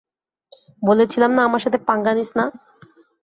বলেছিলাম না আমার সাথে পাঙ্গা নিস না।